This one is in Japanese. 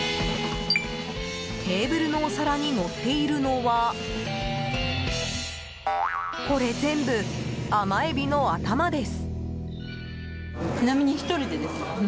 テーブルのお皿にのっているのはこれ全部、甘エビの頭です！